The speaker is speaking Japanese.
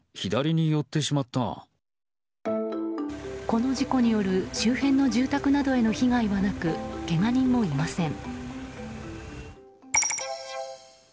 この事故による周辺の住宅などへの被害はなくけが人もいません。